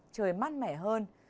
trời mát mẻ hơn